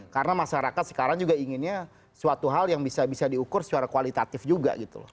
karena masyarakat sekarang juga inginnya suatu hal yang bisa bisa diukur secara kualitatif juga gitu loh